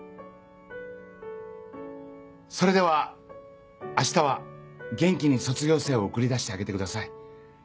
それでは明日は元気に卒業生を送り出してあげてください。